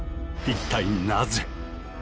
一体なぜ？